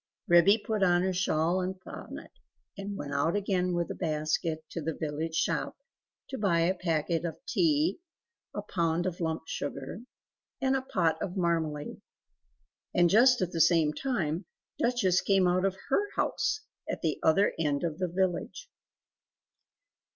Ribby put on her shawl and bonnet and went out again with a basket, to the village shop to buy a packet of tea, a pound of lump sugar, and a pot of marmalade. And just at the same time, Duchess came out of HER house, at the other end of the village.